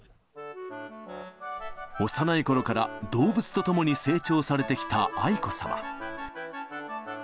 幼いころから動物と共に成長されてきた愛子さま。